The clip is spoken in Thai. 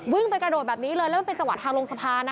ไปกระโดดแบบนี้เลยแล้วมันเป็นจังหวะทางลงสะพานนะ